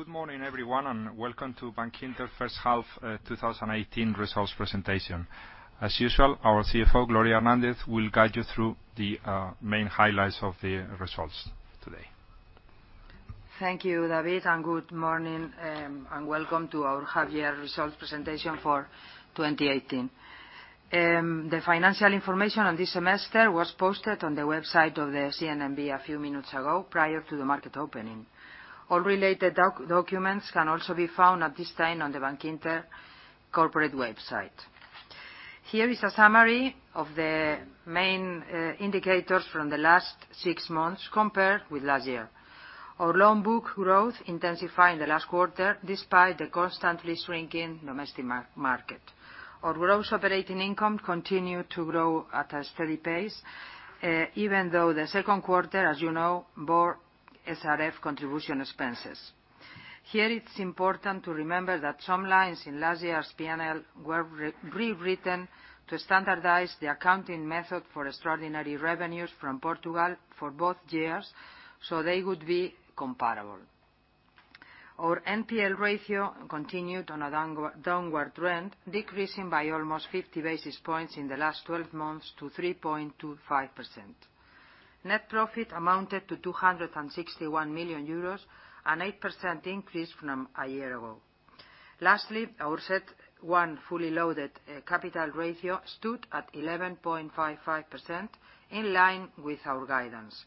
Good morning, everyone, welcome to Bankinter first half 2018 results presentation. As usual, our CFO, Gloria Hernandez, will guide you through the main highlights of the results today. Thank you, David, good morning and welcome to our half-year results presentation for 2018. The financial information on this semester was posted on the website of the CNMV a few minutes ago, prior to the market opening. All related documents can also be found at this time on the Bankinter corporate website. Here is a summary of the main indicators from the last six months compared with last year. Our loan book growth intensified in the last quarter, despite the constantly shrinking domestic market. Our gross operating income continued to grow at a steady pace, even though the second quarter, as you know, bore SRF contribution expenses. Here, it's important to remember that some lines in last year's P&L were rewritten to standardize the accounting method for extraordinary revenues from Portugal for both years, so they would be comparable. Our NPL ratio continued on a downward trend, decreasing by almost 50 basis points in the last 12 months to 3.25%. Net profit amounted to 261 million euros, an 8% increase from a year ago. Lastly, our CET1 fully loaded capital ratio stood at 11.55%, in line with our guidance.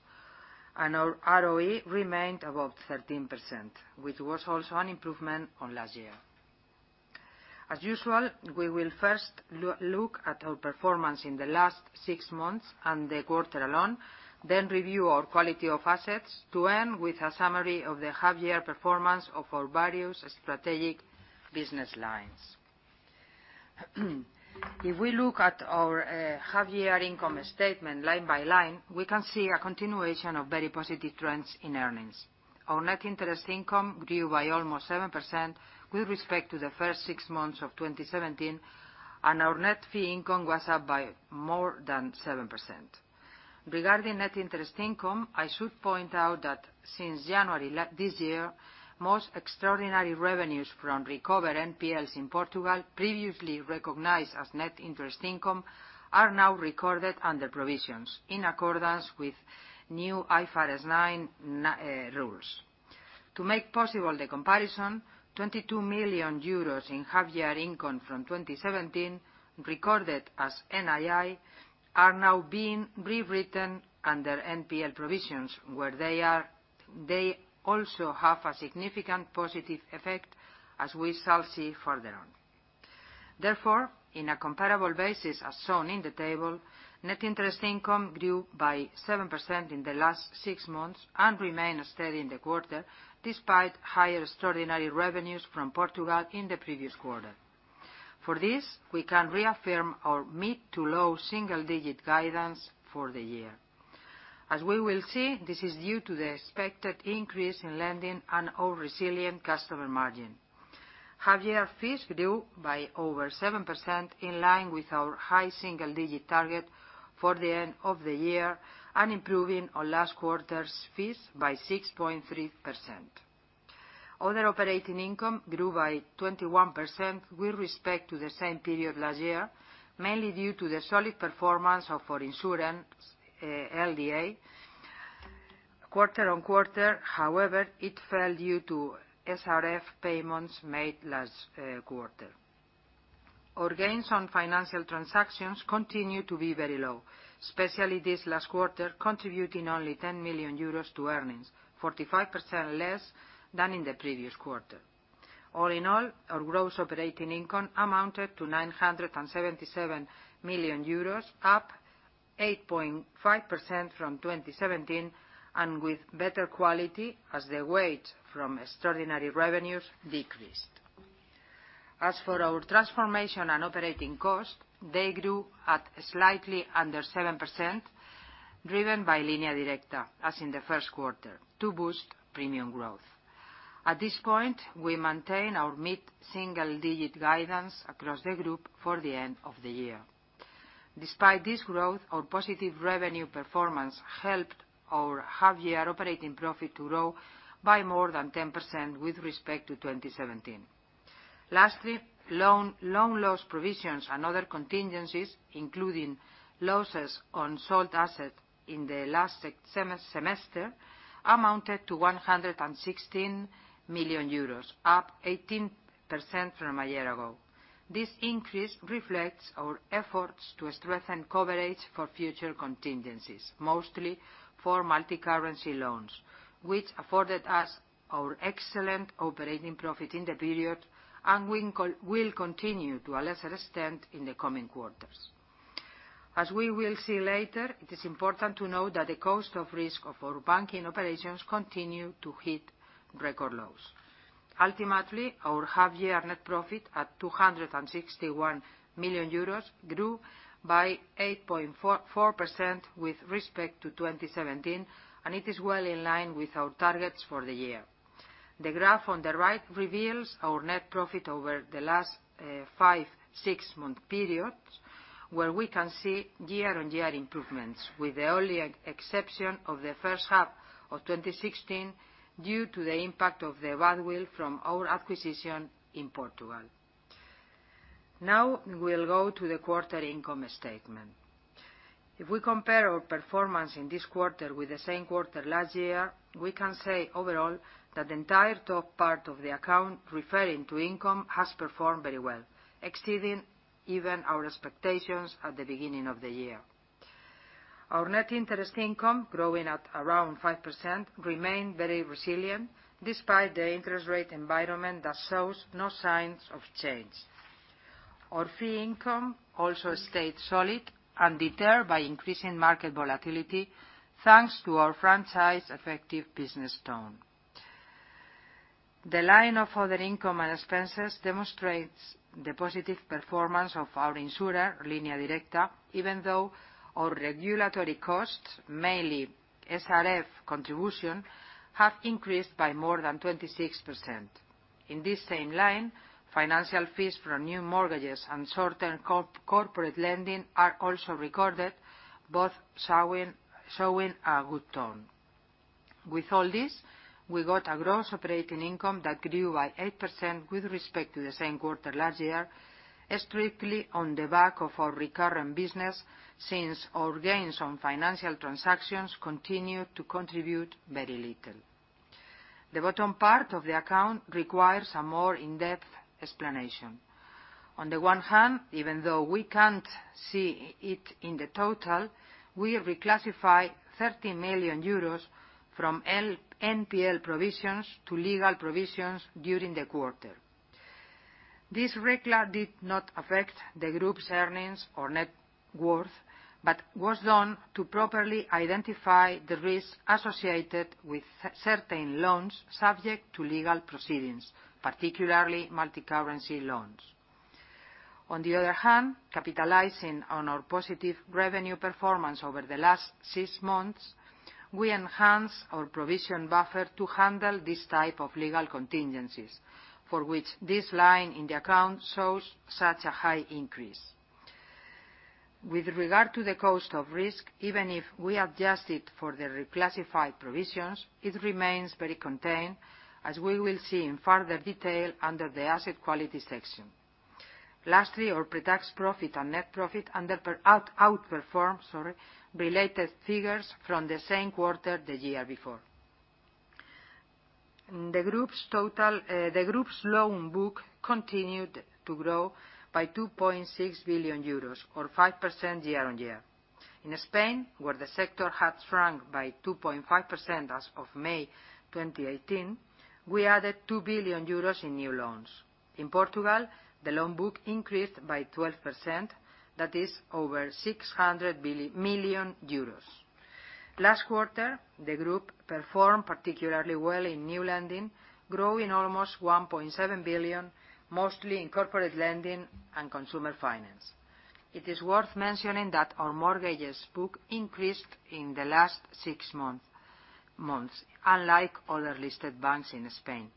Our ROE remained above 13%, which was also an improvement on last year. As usual, we will first look at our performance in the last six months and the quarter alone, then review our quality of assets, to end with a summary of the half-year performance of our various strategic business lines. If we look at our half-year income statement line by line, we can see a continuation of very positive trends in earnings. Our net interest income grew by almost 7% with respect to the first six months of 2017, our net fee income was up by more than 7%. Regarding net interest income, I should point out that since January this year, most extraordinary revenues from recovered NPLs in Portugal, previously recognized as net interest income, are now recorded under provisions, in accordance with new IFRS 9 rules. To make possible the comparison, 22 million euros in half-year income from 2017 recorded as NII are now being rewritten under NPL provisions, where they also have a significant positive effect, as we shall see further on. Therefore, in a comparable basis, as shown in the table, net interest income grew by 7% in the last six months and remained steady in the quarter, despite higher extraordinary revenues from Portugal in the previous quarter. For this, we can reaffirm our mid-to-low single-digit guidance for the year. As we will see, this is due to the expected increase in lending and our resilient customer margin. Half-year fees grew by over 7%, in line with our high single-digit target for the end of the year and improving on last quarter's fees by 6.3%. Other operating income grew by 21% with respect to the same period last year, mainly due to the solid performance of our insurance, LDA. Quarter-on-quarter, however, it fell due to SRF payments made last quarter. Our gains on financial transactions continue to be very low, especially this last quarter, contributing only 10 million euros to earnings, 45% less than in the previous quarter. All in all, our gross operating income amounted to 977 million euros, up 8.5% from 2017 and with better quality as the weight from extraordinary revenues decreased. As for our transformation and operating costs, they grew at slightly under 7%, driven by Línea Directa, as in the first quarter, to boost premium growth. At this point, we maintain our mid-single digit guidance across the group for the end of the year. Despite this growth, our positive revenue performance helped our half-year operating profit to grow by more than 10% with respect to 2017. Lastly, loan-loss provisions and other contingencies, including losses on sold assets in the last semester, amounted to 116 million euros, up 18% from a year ago. This increase reflects our efforts to strengthen coverage for future contingencies, mostly for multicurrency loans, which afforded us our excellent operating profit in the period and will continue to a lesser extent in the coming quarters. As we will see later, it is important to know that the cost of risk of our banking operations continue to hit record lows. Ultimately, our half-year net profit, at 261 million euros, grew by 8.44% with respect to 2017, and it is well in line with our targets for the year. The graph on the right reveals our net profit over the last five six-month periods, where we can see year-on-year improvements, with the only exception of the first half of 2016 due to the impact of the goodwill from our acquisition in Portugal. Now we'll go to the quarter income statement. If we compare our performance in this quarter with the same quarter last year, we can say overall that the entire top part of the account referring to income has performed very well, exceeding even our expectations at the beginning of the year. Our net interest income, growing at around 5%, remained very resilient despite the interest rate environment that shows no signs of change. Our fee income also stayed solid undeterred by increasing market volatility, thanks to our franchise-effective business tone. The line of other income and expenses demonstrates the positive performance of our insurer, Línea Directa, even though our regulatory costs, mainly SRF contribution, have increased by more than 26%. In this same line, financial fees for new mortgages and certain corporate lending are also recorded, both showing a good tone. With all this, we got a gross operating income that grew by 8% with respect to the same quarter last year, strictly on the back of our recurrent business, since our gains on financial transactions continued to contribute very little. The bottom part of the account requires a more in-depth explanation. On the one hand, even though we can't see it in the total, we reclassify 30 million euros from NPL provisions to legal provisions during the quarter. This recla did not affect the group's earnings or net worth, but was done to properly identify the risks associated with certain loans subject to legal proceedings, particularly multicurrency loans. On the other hand, capitalizing on our positive revenue performance over the last six months, we enhanced our provision buffer to handle this type of legal contingencies, for which this line in the account shows such a high increase. With regard to the cost of risk, even if we adjust it for the reclassified provisions, it remains very contained, as we will see in further detail under the asset quality section. Lastly, our pretax profit and net profit underperform related figures from the same quarter the year before. The group's loan book continued to grow by 2.6 billion euros, or 5% year-on-year. In Spain, where the sector had shrunk by 2.5% as of May 2018, we added 2 billion euros in new loans. In Portugal, the loan book increased by 12%, that is, over 600 million euros. Last quarter, the group performed particularly well in new lending, growing almost 1.7 billion, mostly in corporate lending and consumer finance. It is worth mentioning that our mortgages book increased in the last six months, unlike other listed banks in Spain.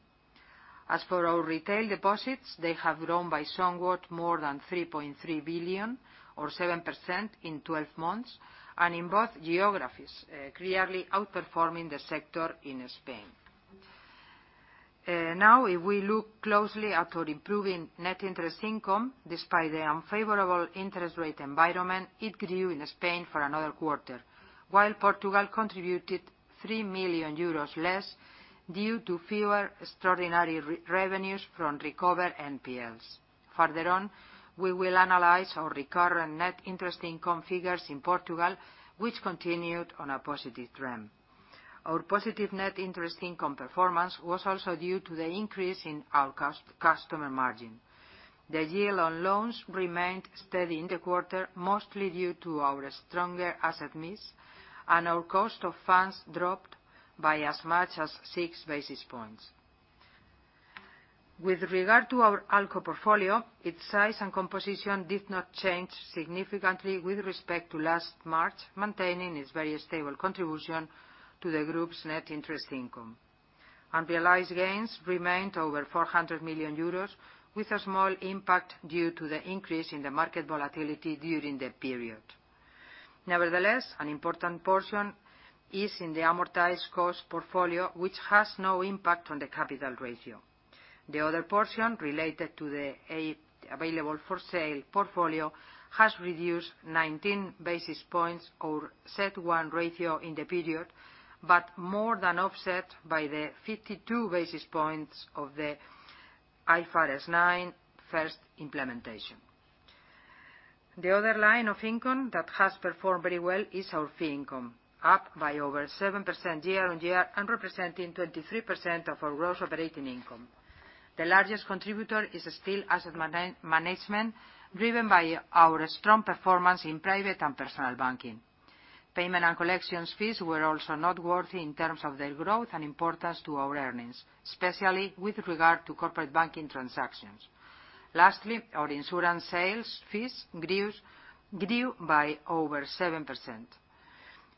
As for our retail deposits, they have grown by somewhat more than 3.3 billion, or 7%, in 12 months, and in both geographies, clearly outperforming the sector in Spain. If we look closely at our improving net interest income, despite the unfavorable interest rate environment, it grew in Spain for another quarter, while Portugal contributed 3 million euros less due to fewer extraordinary revenues from recovered NPLs. Further on, we will analyze our recurrent net interest income figures in Portugal, which continued on a positive trend. Our positive net interest income performance was also due to the increase in our customer margin. The yield on loans remained steady in the quarter, mostly due to our stronger asset mix, and our cost of funds dropped by as much as six basis points. With regard to our ALCO portfolio, its size and composition did not change significantly with respect to last March, maintaining its very stable contribution to the group's net interest income. Unrealized gains remained over 400 million euros, with a small impact due to the increase in the market volatility during the period. Nevertheless, an important portion is in the amortized cost portfolio, which has no impact on the capital ratio. The other portion, related to the available-for-sale portfolio, has reduced 19 basis points or CET1 ratio in the period, but more than offset by the 52 basis points of the IFRS 9 first implementation. The other line of income that has performed very well is our fee income, up by over 7% year-on-year and representing 23% of our gross operating income. The largest contributor is still asset management, driven by our strong performance in private and personal banking. Payment and collections fees were also noteworthy in terms of their growth and importance to our earnings, especially with regard to corporate banking transactions. Lastly, our insurance sales fees grew by over 7%.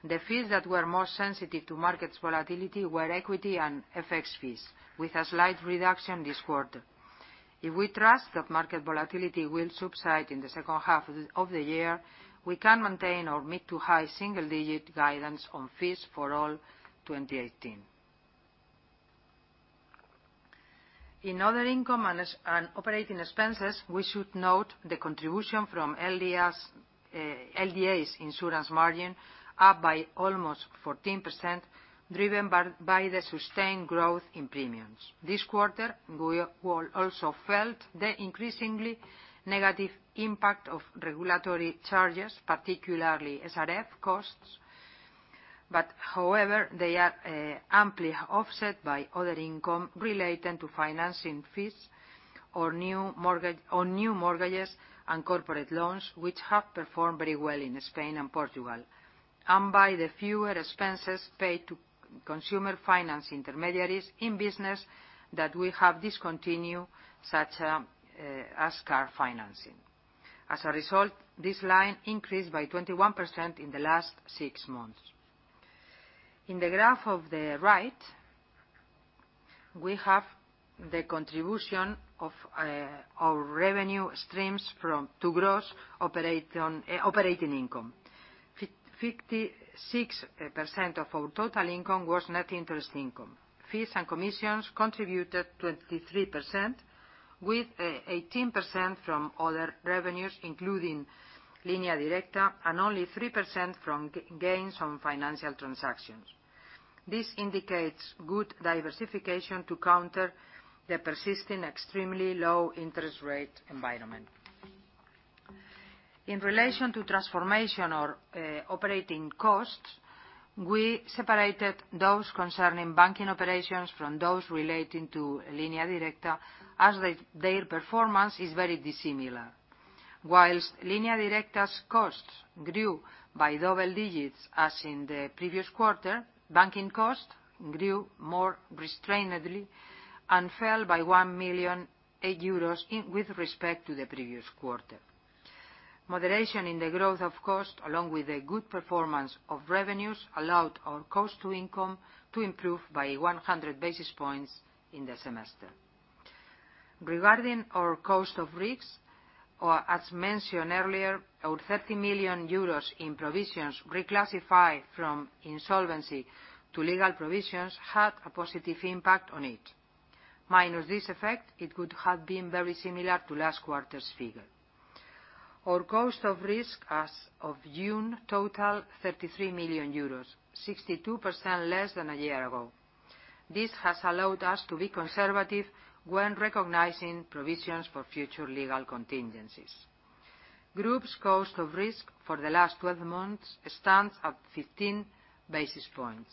The fees that were most sensitive to market volatility were equity and FX fees, with a slight reduction this quarter. If we trust that market volatility will subside in the second half of the year, we can maintain our mid-to-high single-digit guidance on fees for all 2018. In other income and operating expenses, we should note the contribution from LDA's insurance margin, up by almost 14%, driven by the sustained growth in premiums. This quarter, we also felt the increasingly negative impact of regulatory charges, particularly SRF costs. They are amply offset by other income related to financing fees on new mortgages and corporate loans, which have performed very well in Spain and Portugal, and by the fewer expenses paid to consumer finance intermediaries in business that we have discontinued, such as car financing. As a result, this line increased by 21% in the last six months. In the graph of the right, we have the contribution of our revenue streams to gross operating income. 56% of our total income was net interest income. Fees and commissions contributed 23%, with 18% from other revenues, including Línea Directa, and only 3% from gains on financial transactions. This indicates good diversification to counter the persisting extremely low interest rate environment. In relation to transformation or operating costs, we separated those concerning banking operations from those relating to Línea Directa, as their performance is very dissimilar. Whilst Línea Directa's costs grew by double digits as in the previous quarter, banking costs grew more restrainedly and fell by 1 million euros with respect to the previous quarter. Moderation in the growth of cost, along with the good performance of revenues, allowed our cost to income to improve by 100 basis points in the semester. Regarding our cost of risks, or as mentioned earlier, our 30 million euros in provisions reclassified from insolvency to legal provisions had a positive impact on it. Minus this effect, it would have been very similar to last quarter's figure. Our cost of risk as of June totaled 33 million euros, 62% less than a year ago. This has allowed us to be conservative when recognizing provisions for future legal contingencies. Group's cost of risk for the last 12 months stands at 15 basis points.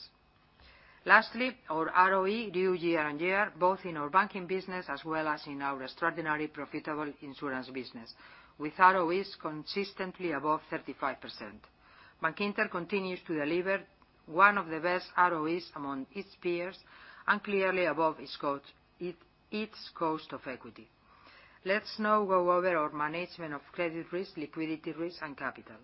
Lastly, our ROE grew year-over-year, both in our banking business as well as in our extraordinary profitable insurance business, with ROEs consistently above 35%. Bankinter continues to deliver one of the best ROEs among its peers and clearly above its cost of equity. Let's now go over our management of credit risk, liquidity risk, and capital.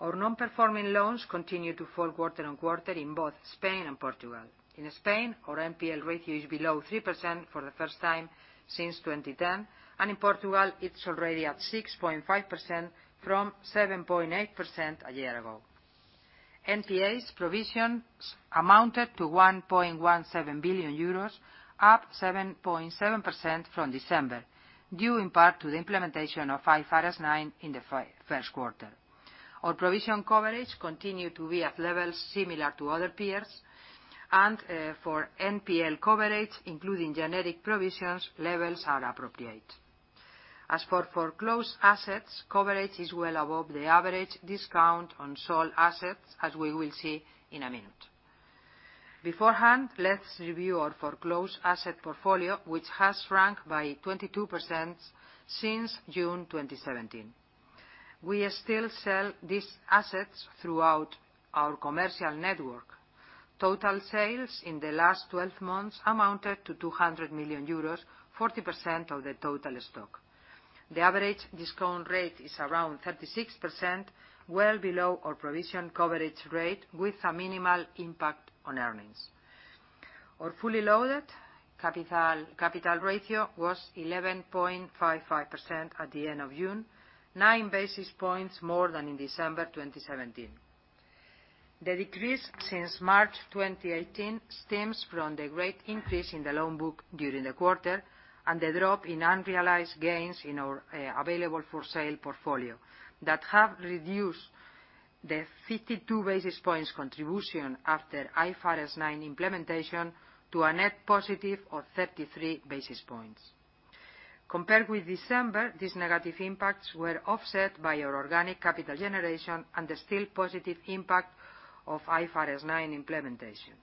Our non-performing loans continue to fall quarter-over-quarter in both Spain and Portugal. In Spain, our NPL ratio is below 3% for the first time since 2010, and in Portugal, it's already at 6.5% from 7.8% a year ago. NPAs provisions amounted to 1.17 billion euros, up 7.7% from December, due in part to the implementation of IFRS 9 in the first quarter. Our provision coverage continued to be at levels similar to other peers, and for NPL coverage, including generic provisions, levels are appropriate. As for foreclosed assets, coverage is well above the average discount on sold assets, as we will see in a minute. Beforehand, let's review our foreclosed asset portfolio, which has shrunk by 22% since June 2017. We still sell these assets throughout our commercial network. Total sales in the last 12 months amounted to 200 million euros, 40% of the total stock. The average discount rate is around 36%, well below our provision coverage rate, with a minimal impact on earnings. Our fully loaded capital ratio was 11.55% at the end of June, nine basis points more than in December 2017. The decrease since March 2018 stems from the great increase in the loan book during the quarter and the drop in unrealized gains in our available-for-sale portfolio. That have reduced the 52 basis points contribution after IFRS 9 implementation to a net positive of 33 basis points. Compared with December, these negative impacts were offset by our organic capital generation and the still positive impact of IFRS 9 implementation.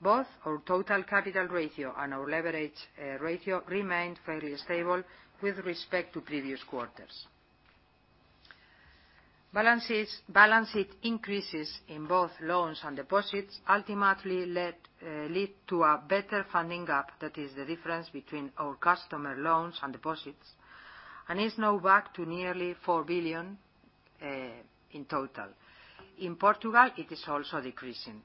Both our total capital ratio and our leverage ratio remained fairly stable with respect to previous quarters. Balanced increases in both loans and deposits ultimately lead to a better funding gap, that is the difference between our customer loans and deposits, and is now back to nearly 4 billion in total. In Portugal, it is also decreasing.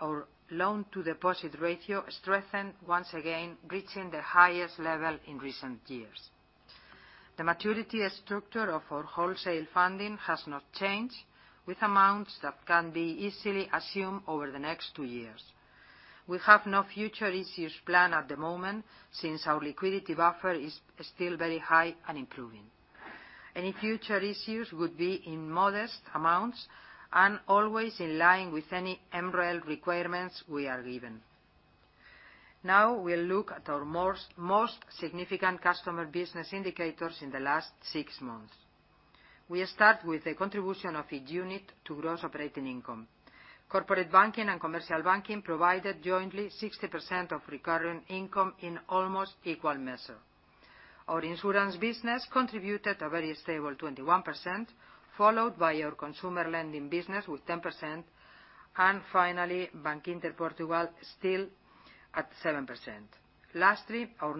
Our loan to deposit ratio strengthened once again, reaching the highest level in recent years. The maturity structure of our wholesale funding has not changed, with amounts that can be easily assumed over the next two years. We have no future issues planned at the moment, since our liquidity buffer is still very high and improving. Any future issues would be in modest amounts and always in line with any MREL requirements we are given. We'll look at our most significant customer business indicators in the last six months. We start with the contribution of each unit to gross operating income. Corporate banking and commercial banking provided jointly 60% of recurring income in almost equal measure. Our insurance business contributed a very stable 21%, followed by our consumer lending business with 10%, and finally, Bankinter Portugal still at 7%. Our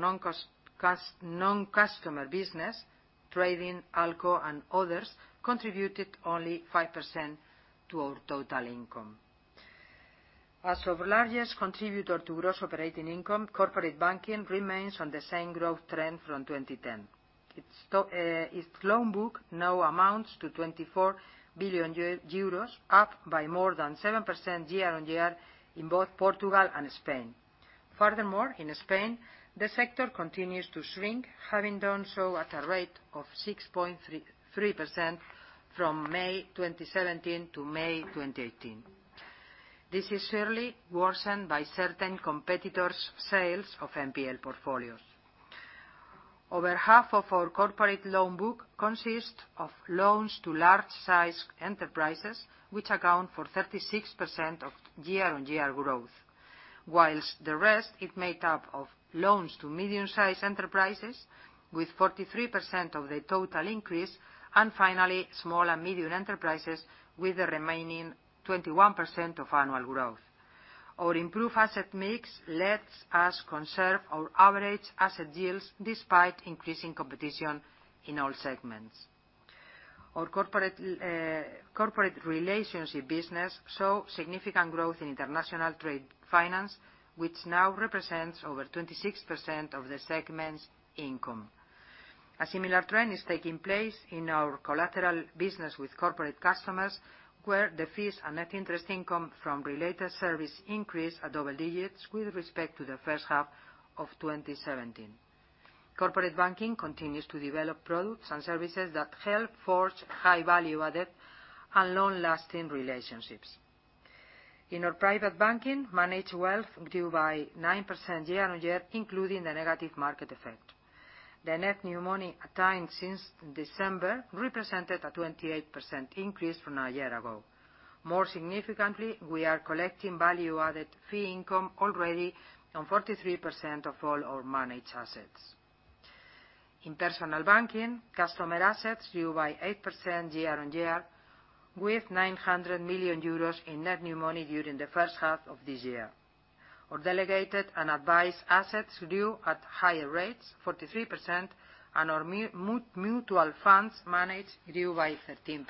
non-customer business, trading, ALCO, and others contributed only 5% to our total income. As our largest contributor to gross operating income, corporate banking remains on the same growth trend from 2010. Its loan book now amounts to 24 billion euros, up by more than 7% year-on-year in both Portugal and Spain. In Spain, the sector continues to shrink, having done so at a rate of 6.3% from May 2017 to May 2018. This is surely worsened by certain competitors' sales of NPL portfolios. Over half of our corporate loan book consists of loans to large-sized enterprises, which account for 36% of year-on-year growth, whilst the rest is made up of loans to medium-sized enterprises with 43% of the total increase, and finally, small and medium enterprises with the remaining 21% of annual growth. Our improved asset mix lets us conserve our average asset yields despite increasing competition in all segments. Our corporate relationship business saw significant growth in international trade finance, which now represents over 26% of the segment's income. A similar trend is taking place in our collateral business with corporate customers, where the fees and net interest income from related service increased at double digits with respect to the first half of 2017. Corporate banking continues to develop products and services that help forge high value-added and long-lasting relationships. In our private banking, managed wealth grew by 9% year-on-year, including the negative market effect. The net new money attained since December represented a 28% increase from a year ago. More significantly, we are collecting value-added fee income already on 43% of all our managed assets. In personal banking, customer assets grew by 8% year-on-year, with 900 million euros in net new money during the first half of this year. Our delegated and advised assets grew at higher rates, 43%, and our mutual funds managed grew by 13%.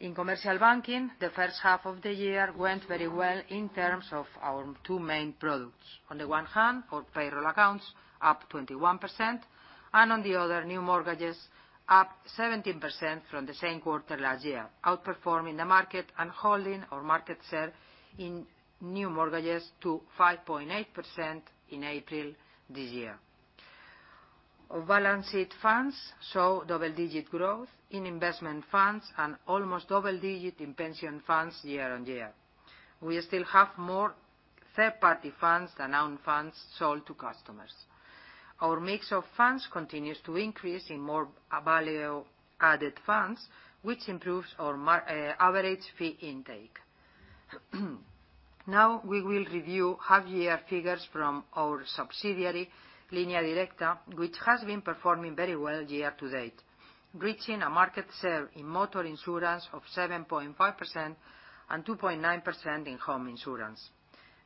In commercial banking, the first half of the year went very well in terms of our two main products. On the one hand, our payroll accounts up 21%, and on the other, new mortgages up 17% from the same quarter last year, outperforming the market and holding our market share in new mortgages to 5.8% in April this year. Our balanced funds saw double-digit growth in investment funds and almost double digits in pension funds year-on-year. We still have more third-party funds than own funds sold to customers. Our mix of funds continues to increase in more value-added funds, which improves our average fee intake. Now we will review half-year figures from our subsidiary, Línea Directa, which has been performing very well year to date, reaching a market share in motor insurance of 7.5% and 2.9% in home insurance.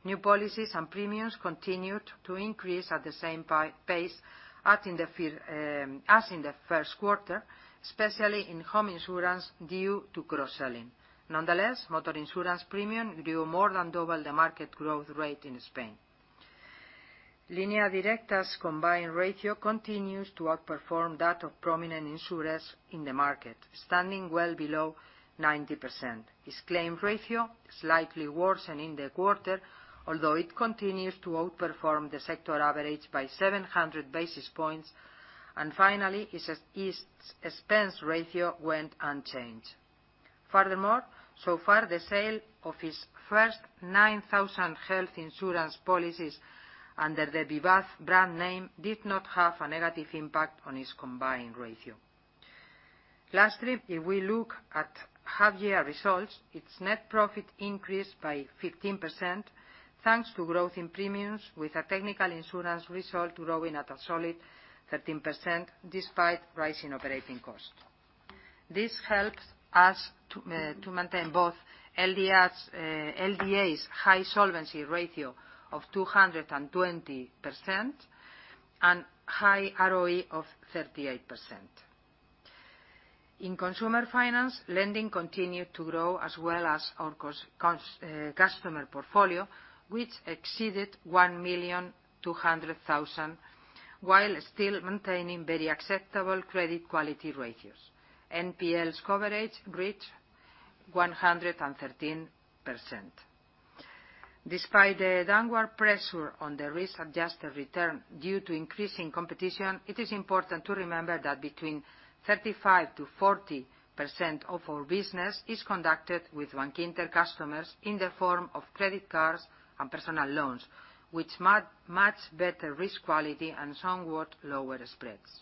New policies and premiums continued to increase at the same pace as in the first quarter, especially in home insurance, due to cross-selling. Nonetheless, motor insurance premium grew more than double the market growth rate in Spain. Línea Directa's combined ratio continues to outperform that of prominent insurers in the market, standing well below 90%. Its claim ratio slightly worsened in the quarter, although it continues to outperform the sector average by 700 basis points. Finally, its expense ratio went unchanged. Furthermore, so far, the sale of its first 9,000 health insurance policies under the Vivaz brand name did not have a negative impact on its combined ratio. Lastly, if we look at half-year results, its net profit increased by 15%, thanks to growth in premiums, with a technical insurance result growing at a solid 13%, despite rising operating costs. This helps us to maintain both LDA's high solvency ratio of 220% and high ROE of 38%. In consumer finance, lending continued to grow, as well as our customer portfolio, which exceeded 1,200,000, while still maintaining very acceptable credit quality ratios. NPLs coverage reached 113%. Despite the downward pressure on the risk-adjusted return due to increasing competition, it is important to remember that between 35%-40% of our business is conducted with Bankinter customers in the form of credit cards and personal loans, which much better risk quality and somewhat lower spreads.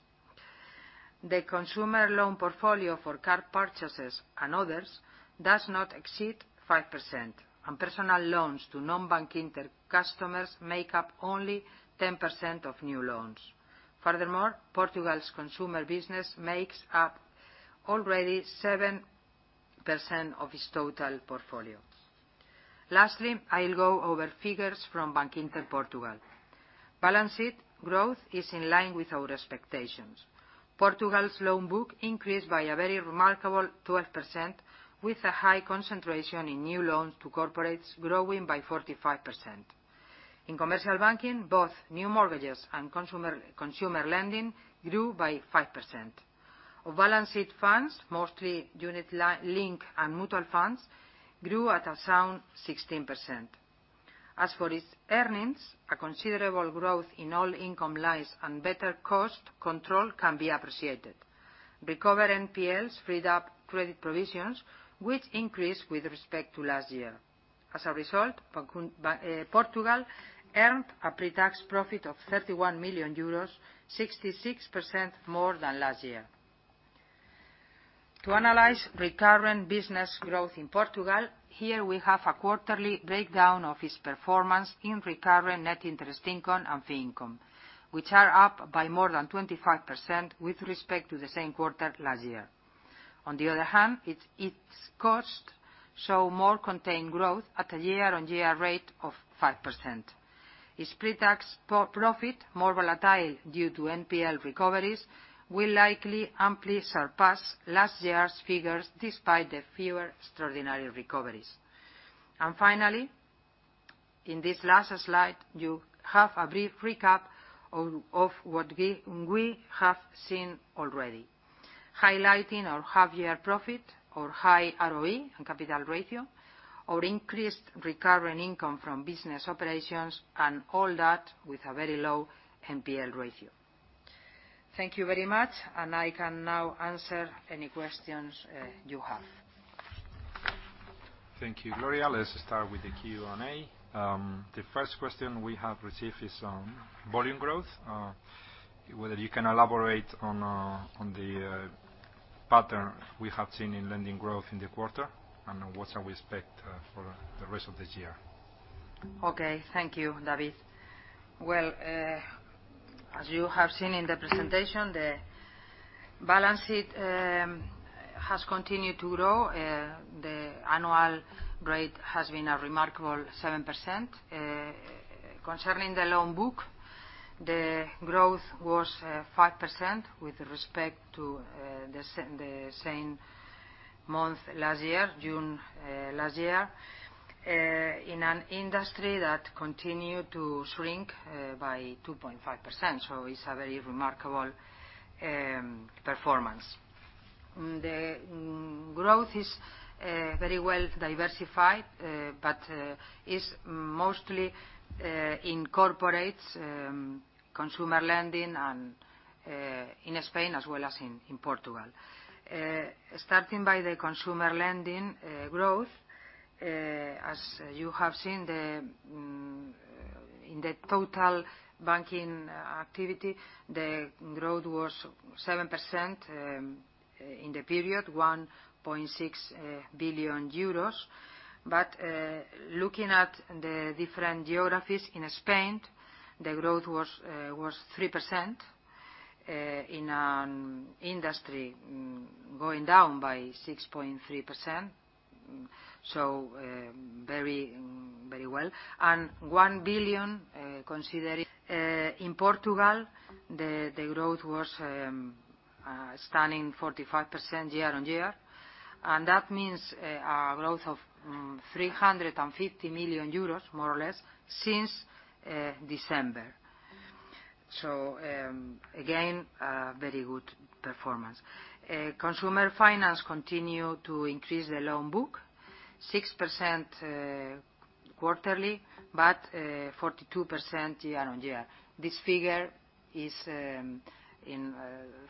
The consumer loan portfolio for car purchases and others does not exceed 5%, and personal loans to non-Bankinter customers make up only 10% of new loans. Furthermore, Portugal's consumer business makes up already 7% of its total portfolio. Lastly, I'll go over figures from Bankinter Portugal. Balance sheet growth is in line with our expectations. Portugal's loan book increased by a very remarkable 12%, with a high concentration in new loans to corporates growing by 45%. In commercial banking, both new mortgages and consumer lending grew by 5%. Off-balance sheet funds, mostly unit link and mutual funds, grew at a sound 16%. As for its earnings, a considerable growth in all income lines and better cost control can be appreciated. Recovered NPLs freed up credit provisions, which increased with respect to last year. As a result, Portugal earned a pre-tax profit of 31 million euros, 66% more than last year. To analyze recurrent business growth in Portugal, here we have a quarterly breakdown of its performance in recurring NII and fee income, which are up by more than 25% with respect to the same quarter last year. On the other hand, its costs show more contained growth at a year-on-year rate of 5%. Its pre-tax profit, more volatile due to NPL recoveries, will likely amply surpass last year's figures, despite the fewer extraordinary recoveries. Finally, in this last slide, you have a brief recap of what we have seen already, highlighting our half-year profit, our high ROE and capital ratio, our increased recurring income from business operations, and all that with a very low NPL ratio. Thank you very much. I can now answer any questions you have. Thank you, Gloria. Let's start with the Q&A. The first question we have received is on volume growth, whether you can elaborate on the pattern we have seen in lending growth in the quarter, and what shall we expect for the rest of this year. Okay. Thank you, David. Well, as you have seen in the presentation, the balance sheet has continued to grow. The annual rate has been a remarkable 7%. Concerning the loan book, the growth was 5% with respect to the same month last year, June last year, in an industry that continued to shrink by 2.5%. It's a very remarkable performance. The growth is very well diversified, but is mostly in corporates, consumer lending in Spain as well as in Portugal. Starting by the consumer lending growth, as you have seen in the total banking activity, the growth was 7% in the period, 1.6 billion euros. Looking at the different geographies, in Spain, the growth was 3% in an industry going down by 6.3%, very well. One billion [consider it]. In Portugal, the growth was a stunning 45% year-on-year. That means a growth of 350 million euros, more or less, since December. Again, a very good performance. Consumer finance continued to increase the loan book, 6% quarterly, but 42% year-on-year. This figure is in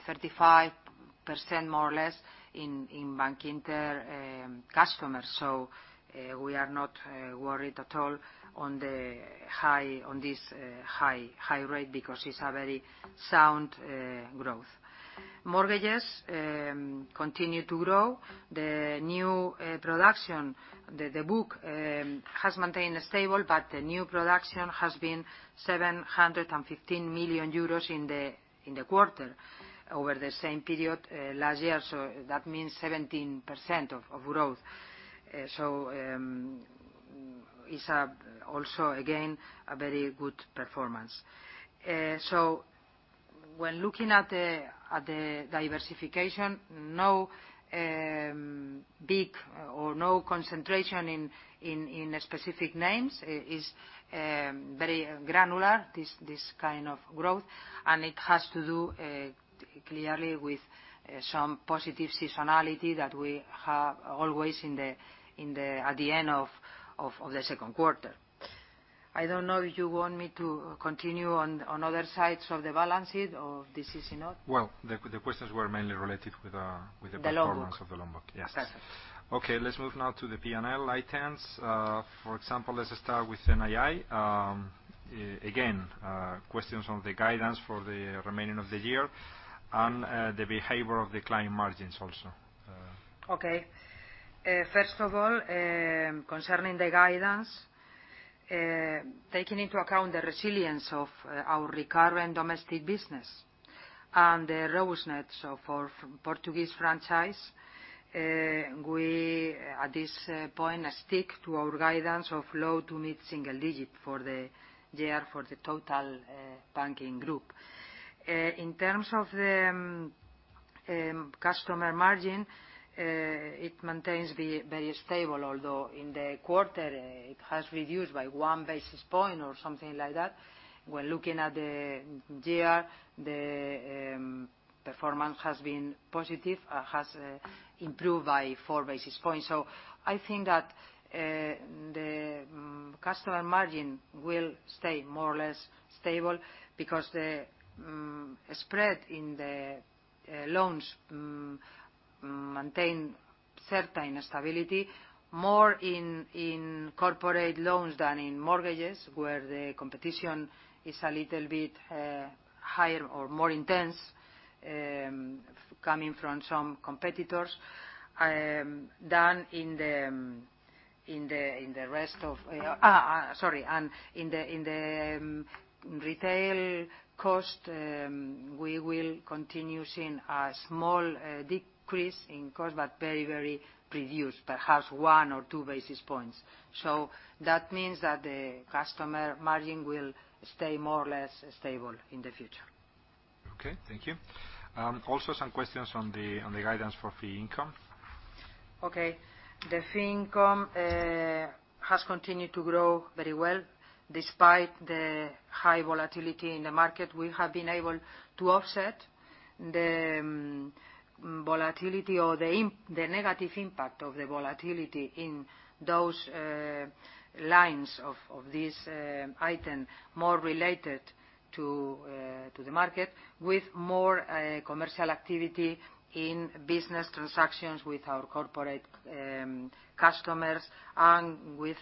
35%, more or less, in Bankinter customers. We are not worried at all on this high rate because it's a very sound growth. Mortgages continue to grow. The book has maintained stable, but the new production has been 715 million euros in the quarter over the same period last year. That means 17% of growth. It is also, again, a very good performance. When looking at the diversification, no big or no concentration in specific names. It is very granular, this kind of growth. It has to do clearly with some positive seasonality that we have always at the end of the second quarter. I don't know if you want me to continue on other sides of the balances, or this is enough. Well, the questions were mainly related with. The loan book performance of the loan book. Yes. Okay. Okay. Let's move now to the P&L items. For example, let's start with NII. Again, questions on the guidance for the remaining of the year and the behavior of the client margins also. Okay. First of all, concerning the guidance, taking into account the resilience of our recurrent domestic business and the robustness of our Portuguese franchise, we, at this point, stick to our guidance of low to mid-single digit for the year for the total banking group. In terms of the customer margin, it maintains very stable, although in the quarter it has reduced by one basis point or something like that. When looking at the year, the performance has been positive, has improved by four basis points. I think that the customer margin will stay more or less stable because the spread in the loans maintain certain stability, more in corporate loans than in mortgages, where the competition is a little bit higher or more intense coming from some competitors, than in the rest of Sorry. In the retail cost, we will continue seeing a small decrease in cost, but very, very reduced. Perhaps one or two basis points. That means that the customer margin will stay more or less stable in the future. Okay. Thank you. Also, some questions on the guidance for fee income. Okay. The fee income has continued to grow very well. Despite the high volatility in the market, we have been able to offset the volatility or the negative impact of the volatility in those lines of this item more related to the market, with more commercial activity in business transactions with our corporate customers and with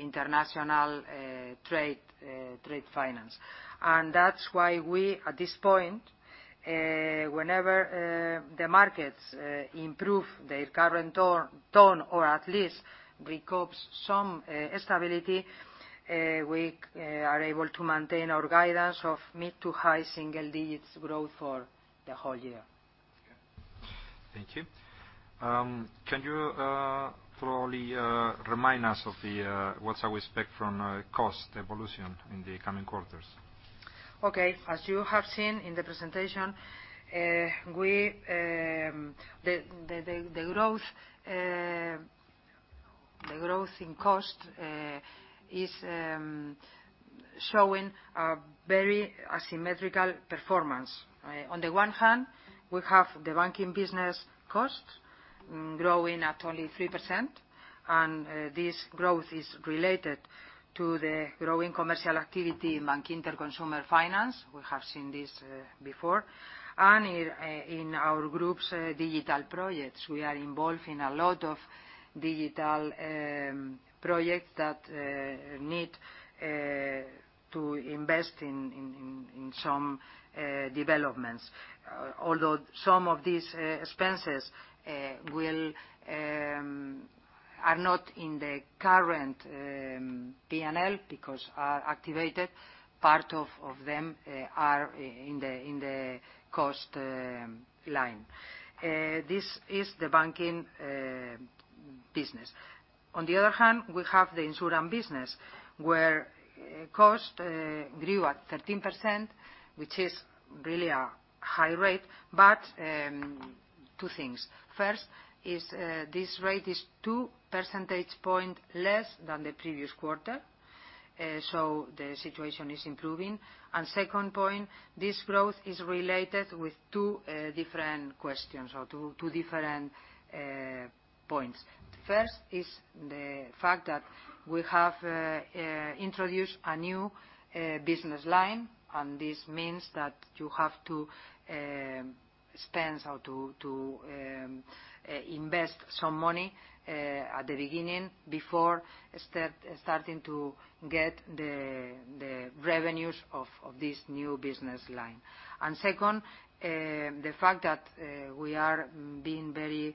international trade finance. That's why we, at this point, whenever the markets improve their current tone or at least recoups some stability, we are able to maintain our guidance of mid to high single digits growth for the whole year. Okay. Thank you. Can you thoroughly remind us of what's our expectation from cost evolution in the coming quarters? Okay. As you have seen in the presentation, the growth in cost is showing a very asymmetrical performance. On the one hand, we have the banking business costs growing at only 3%, and this growth is related to the growing commercial activity in Bankinter Consumer Finance, we have seen this before, and in our group's digital projects. We are involved in a lot of digital projects that need to invest in some developments. Although some of these expenses are not in the current P&L because are activated, part of them are in the cost line. This is the banking business. On the other hand, we have the insurance business, where cost grew at 13%, which is really a high rate. Two things. First is, this rate is two percentage point less than the previous quarter, the situation is improving. Second point, this growth is related with two different questions or two different points. First is the fact that we have introduced a new business line, and this means that you have to spend or to invest some money at the beginning before starting to get the revenues of this new business line. Second, the fact that we are being very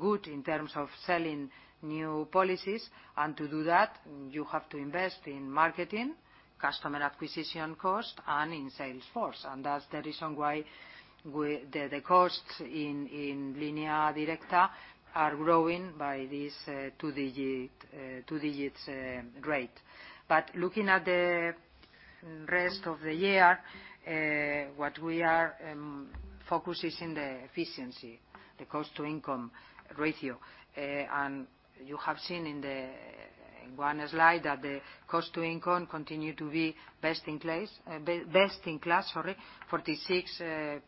good in terms of selling new policies. To do that, you have to invest in marketing, customer acquisition cost, and in sales force. That's the reason why the costs in Línea Directa are growing by this two digits rate. Looking at the rest of the year, what we are focused is in the efficiency, the cost to income ratio. You have seen in one slide that the cost to income continue to be best in class, 46%,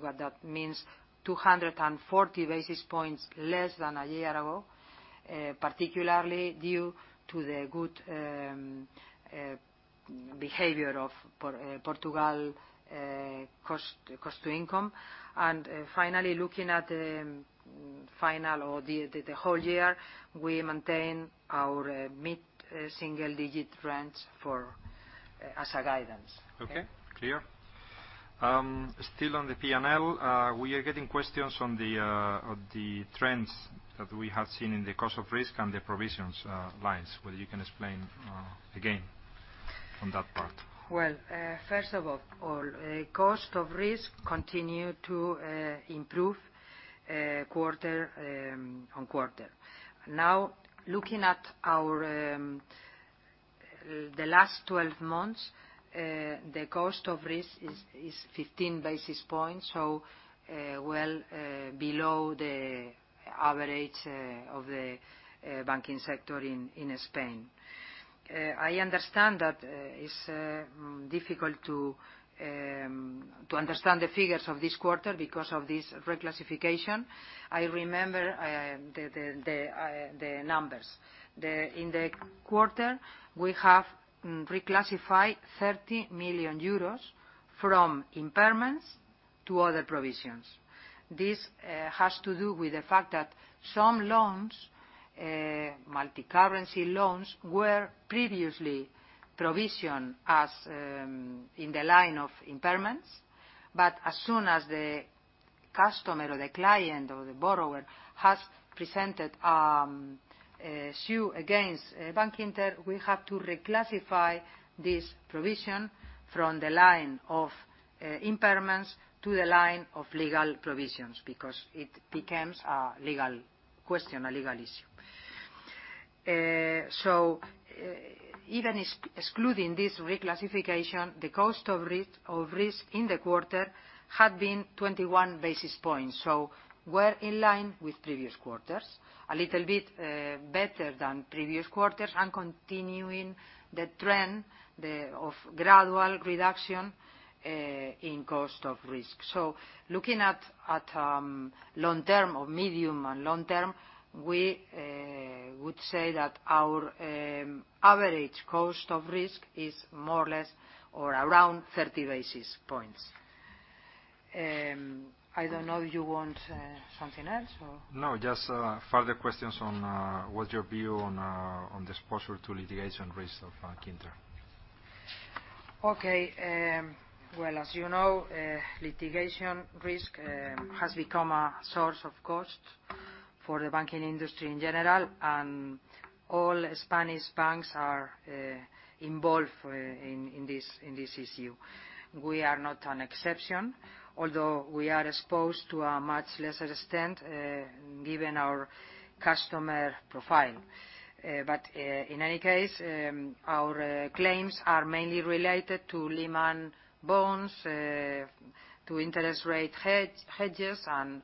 what that means 240 basis points less than a year ago, particularly due to the good behavior of Portugal cost to income. Finally, looking at the final or the whole year, we maintain our mid-single-digit range as a guidance. Okay, clear. Still on the P&L, we are getting questions on the trends that we have seen in the cost of risk and the provisions lines, whether you can explain again on that part. Well, first of all, cost of risk continue to improve quarter-on-quarter. Now, looking at the last 12 months, the cost of risk is 15 basis points, so well below the average of the banking sector in Spain. I understand that it's difficult to understand the figures of this quarter because of this reclassification. I remember the numbers. In the quarter, we have reclassified 30 million euros from impairments to other provisions. This has to do with the fact that some loans, multi-currency loans, were previously provisioned as in the line of impairments. As soon as the customer or the client or the borrower has presented a suit against Bankinter, we have to reclassify this provision from the line of impairments to the line of legal provisions because it becomes a legal question, a legal issue. Even excluding this reclassification, the cost of risk in the quarter had been 21 basis points. We're in line with previous quarters, a little bit better than previous quarters, and continuing the trend of gradual reduction in cost of risk. Looking at long term or medium and long term, we would say that our average cost of risk is more or less or around 30 basis points. I don't know if you want something else, or? No, just further questions on what's your view on this posture to litigation risk of Bankinter? Okay. Well, as you know, litigation risk has become a source of cost for the banking industry in general. All Spanish banks are involved in this issue. We are not an exception, although we are exposed to a much lesser extent given our customer profile. In any case, our claims are mainly related to Lehman bonds, to interest rate hedges, and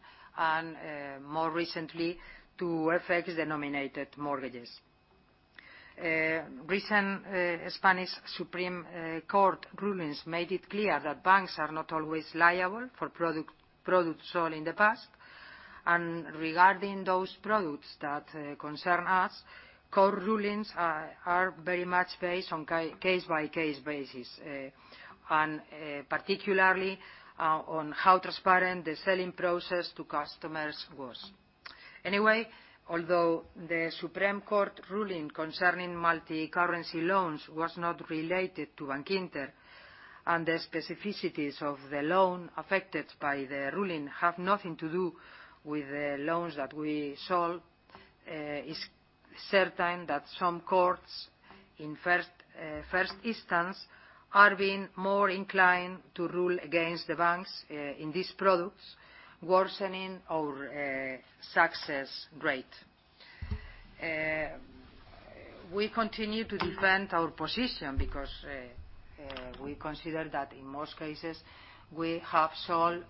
more recently to FX-denominated mortgages. Recent Spanish Supreme Court rulings made it clear that banks are not always liable for products sold in the past. Regarding those products that concern us, court rulings are very much based on case-by-case basis, and particularly on how transparent the selling process to customers was. Anyway, although the Supreme Court ruling concerning multi-currency loans was not related to Bankinter, The specificities of the loan affected by the ruling have nothing to do with the loans that we sold, it's certain that some courts in first instance are being more inclined to rule against the banks in these products, worsening our success rate. We continue to defend our position because we consider that in most cases we have sold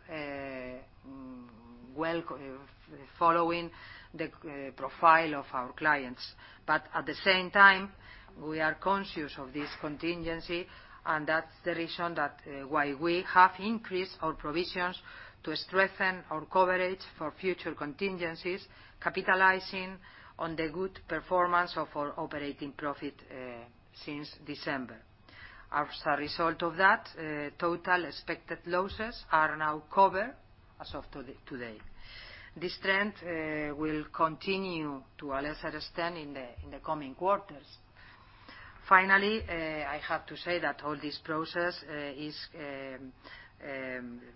following the profile of our clients. At the same time, we are conscious of this contingency, That's the reason why we have increased our provisions to strengthen our coverage for future contingencies, capitalizing on the good performance of our operating profit since December. As a result of that, total expected losses are now covered as of today. This trend will continue to a lesser extent in the coming quarters. Finally, I have to say that all this process is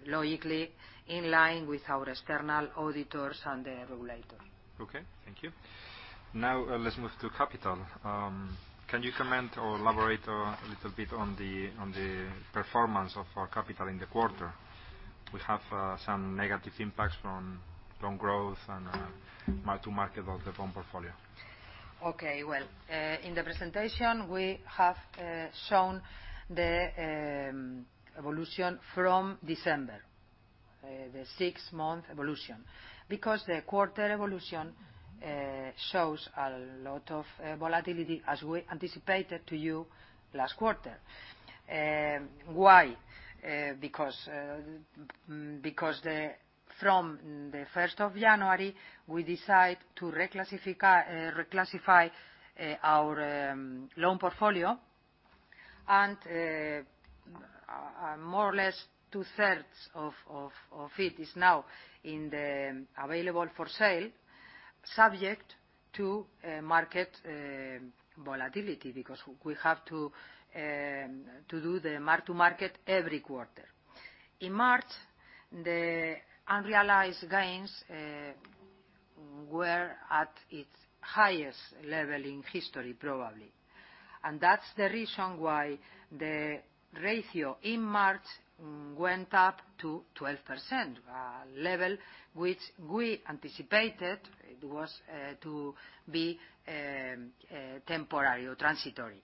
logically in line with our external auditors and the regulator. Okay, thank you. Let's move to capital. Can you comment or elaborate a little bit on the performance of our capital in the quarter? We have some negative impacts from growth and mark-to-market of the bond portfolio. Okay. Well, in the presentation, we have shown the evolution from December, the six-month evolution. The quarter evolution shows a lot of volatility, as we anticipated to you last quarter. Why? From the 1st of January, we decide to reclassify our loan portfolio, and more or less two-thirds of it is now in the available-for-sale subject to market volatility, because we have to do the mark-to-market every quarter. In March, the unrealized gains were at its highest level in history, probably. That's the reason why the ratio in March went up to 12%, a level which we anticipated it was to be temporary or transitory.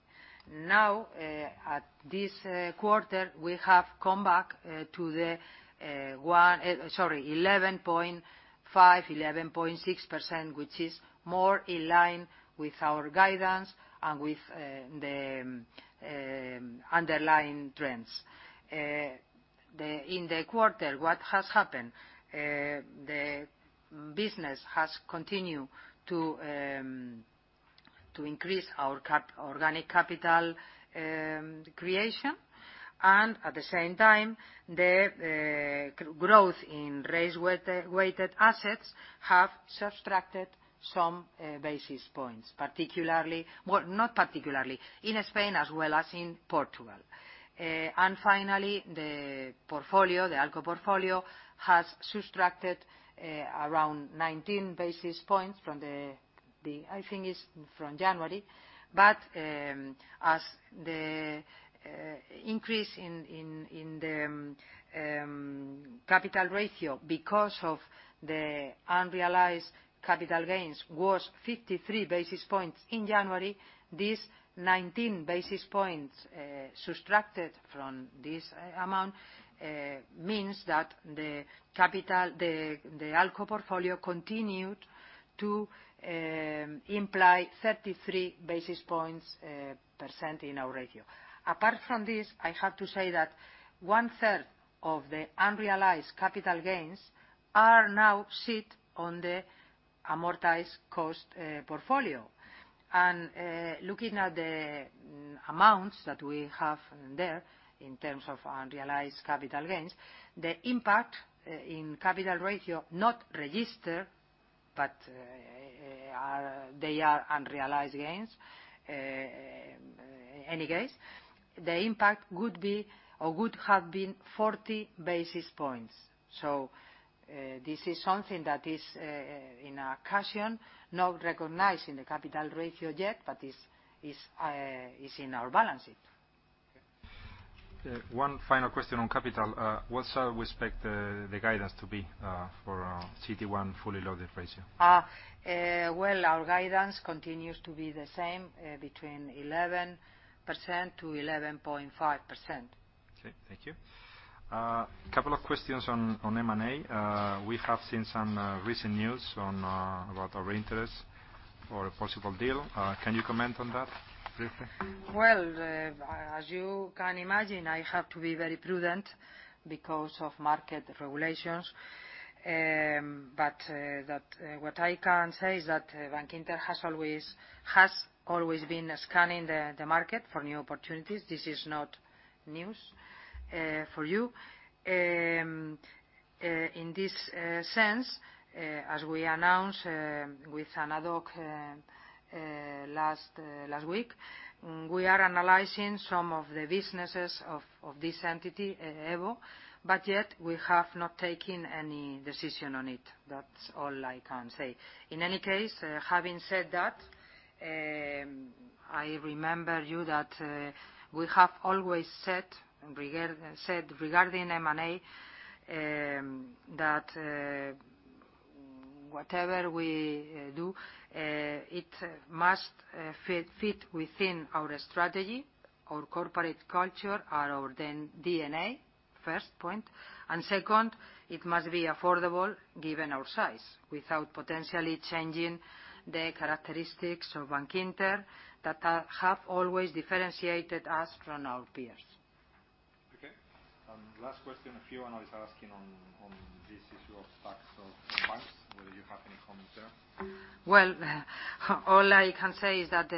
At this quarter, we have come back to the 11.5%-11.6%, which is more in line with our guidance and with the underlying trends. In the quarter, what has happened, the business has continued to increase our organic capital creation, and at the same time, the growth in risk-weighted assets have subtracted some basis points, in Spain as well as in Portugal. Finally, the ALCO portfolio has subtracted around 19 basis points from, I think it's from January. As the increase in the capital ratio because of the unrealized capital gains was 53 basis points in January, this 19 basis points subtracted from this amount means that the ALCO portfolio continued to imply 33 basis points percent in our ratio. Apart from this, I have to say that one-third of the unrealized capital gains are now sit on the amortized cost portfolio. Looking at the amounts that we have there in terms of unrealized capital gains, the impact in capital ratio, not registered, but they are unrealized gains, any case, the impact would have been 40 basis points. This is something that is in our cushion, not recognized in the capital ratio yet, but is in our balances. One final question on capital. What shall we expect the guidance to be for CET1 fully loaded ratio? Well, our guidance continues to be the same, between 11%-11.5%. Okay, thank you. A couple of questions on M&A. We have seen some recent news about our interest for a possible deal. Can you comment on that briefly? As you can imagine, I have to be very prudent because of market regulations. What I can say is that Bankinter has always been scanning the market for new opportunities. This is not news for you. In this sense, as we announced with an ad hoc last week, we are analyzing some of the businesses of this entity, EVO, yet we have not taken any decision on it. That's all I can say. In any case, having said that, I remind you that we have always said regarding M&A, that whatever we do, it must fit within our strategy, our corporate culture, our DNA, first point, and second, it must be affordable given our size, without potentially changing the characteristics of Bankinter that have always differentiated us from our peers. Last question, a few analysts are asking on this issue of tax on banks, whether you have any comments there. All I can say is that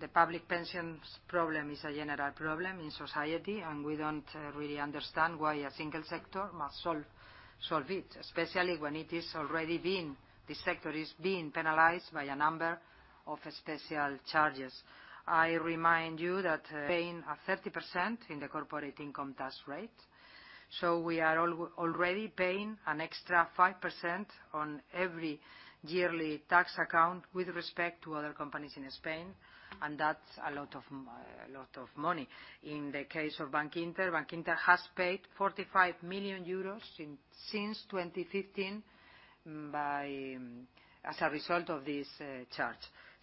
the public pensions problem is a general problem in society, we don't really understand why a single sector must solve it, especially when this sector is being penalized by a number of special charges. I remind you that paying a 30% in the corporate income tax rate. We are already paying an extra 5% on every yearly tax account with respect to other companies in Spain, that's a lot of money. In the case of Bankinter has paid 45 million euros since 2015 as a result of this charge.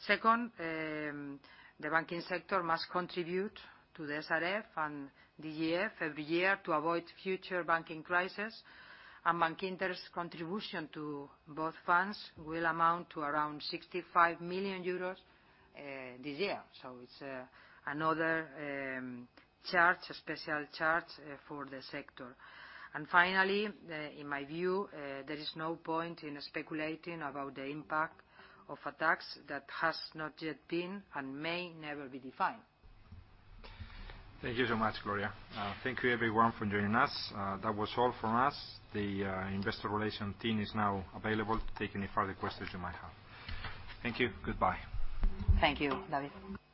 Second, the banking sector must contribute to the SRF and the DGF every year to avoid future banking crisis. Bankinter's contribution to both funds will amount to around 65 million euros this year. It's another charge, a special charge for the sector. Finally, in my view, there is no point in speculating about the impact of a tax that has not yet been and may never be defined. Thank you so much, Gloria. Thank you, everyone, for joining us. That was all from us. The investor relation team is now available to take any further questions you might have. Thank you. Goodbye. Thank you, David.